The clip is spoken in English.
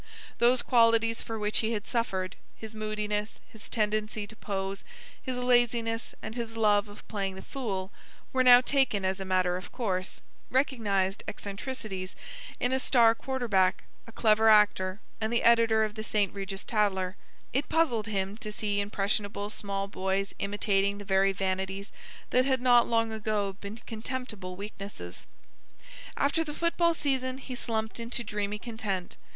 Those qualities for which he had suffered, his moodiness, his tendency to pose, his laziness, and his love of playing the fool, were now taken as a matter of course, recognized eccentricities in a star quarter back, a clever actor, and the editor of the St. Regis Tattler: it puzzled him to see impressionable small boys imitating the very vanities that had not long ago been contemptible weaknesses. After the football season he slumped into dreamy content.